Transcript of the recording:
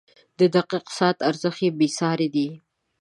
• د دقیق ساعت ارزښت بېساری دی.